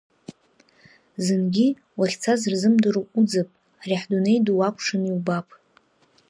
Зынгьы, уахьцаз рзымдыруа, уӡып, ари ҳдунеи ду уакәшаны иубап.